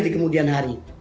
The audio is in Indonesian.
di kemudian hari